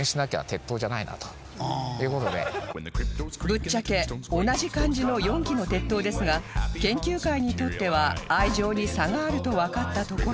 ぶっちゃけ同じ感じの４基の鉄塔ですが研究会にとっては愛情に差があるとわかったところで